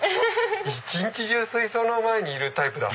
一日中水槽の前にいるタイプだ。